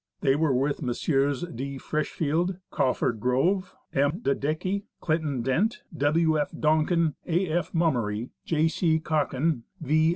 They were with Messrs. D. Freshfield, Craufurd Grove, M. de Decky, Clinton Dent, W. F. Donkin, A. F. Mummery, J. C. Cockin, V.